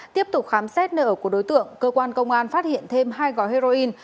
tiếp tục khám xét nợ của đối tượng cơ quan công an phát hiện thêm hai gói heroin